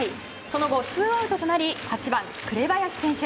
その後、ツーアウトとなり８番、紅林選手。